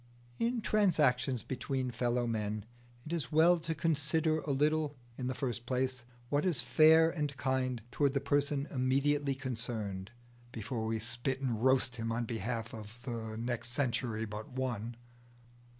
In transactions between fellow men it is well to consider a little, in the first place, what is fair and kind towards the person immediately concerned, before we spit and roast him on behalf of the next century but one.